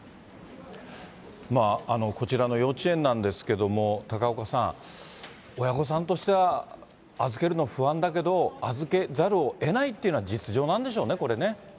こちらの幼稚園なんですけども、高岡さん、親御さんとしては、預けるの不安だけど、預けざるをえないというのが実情なんでしょうね、これね。